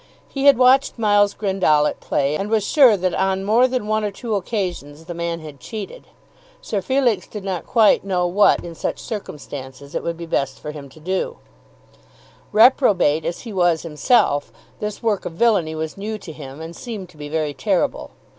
He had watched Miles Grendall at play, and was sure that on more than one or two occasions the man had cheated. Sir Felix did not quite know what in such circumstances it would be best for him to do. Reprobate as he was himself, this work of villainy was new to him and seemed to be very terrible.